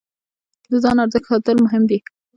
د ځان ارزښت ساتل مهم دی.